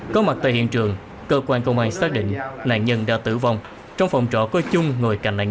có mặt tại hiện trường cơ quan công an xác định nạn nhân đã tử vong trong phòng trọ có trung ngồi cạnh nạn nhân